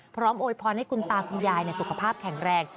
โอยพรให้คุณตาคุณยายสุขภาพแข็งแรง